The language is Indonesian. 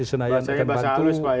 bersenayan bisa bantu